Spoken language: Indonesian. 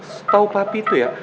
setau papi itu ya